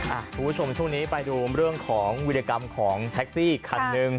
คุณผู้ชมช่วงนี้ไปดูเรื่องของวิรกรรมของแท็กซี่คันหนึ่ง